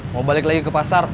mau balik lagi ke pasar